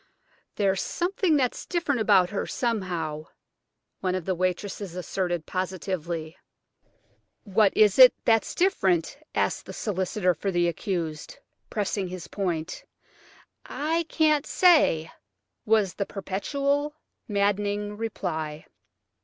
"There's something that's different about her somehow," one of the waitresses asserted positively. "What is it that's different?" asked the solicitor for the accused, pressing his point. "I can't say," was the perpetual, maddening reply.